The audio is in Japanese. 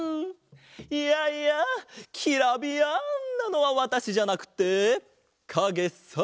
いやいやキラビヤンなのはわたしじゃなくてかげさ！